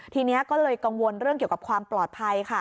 ทีนี้ก็เลยกังวลเรื่องเกี่ยวกับความปลอดภัยค่ะ